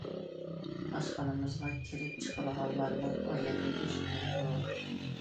ئاشخانىمىزغا كىرىپ چىقىدىغانلارنىڭ ئايىغى ئۈزۈلمەيدۇ.